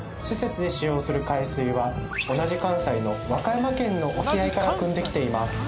施設で使用する海水は同じ関西の和歌山県の沖合からくんできています